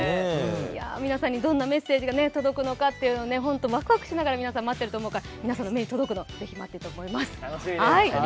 皆さんにどんなメッセージが届くのかワクワクしながらみんな待っていると思いますので、皆さんの目に届くのを待っていてほしいと思います。